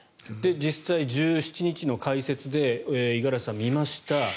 実際、１７日の解説で五十嵐さん、見ました。